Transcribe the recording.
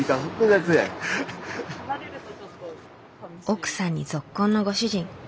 奥さんにぞっこんのご主人。